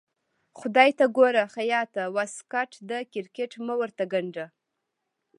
خدای ته ګوره خياطه واسکټ د کرکټ مه ورته ګنډه.